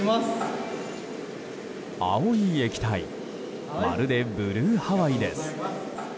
青い液体まるでブルーハワイです。